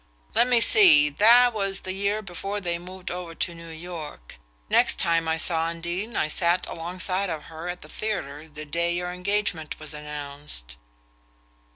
Let me see that was the year before they moved over to New York. Next time I saw Undine I sat alongside of her at the theatre the day your engagement was announced."